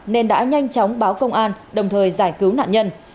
nên đã nhanh chóng báo công an đồng thời giải cứu nạn nhân